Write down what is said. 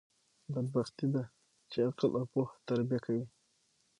بدبختي ده، چي عقل او پوهه تربیه کوي.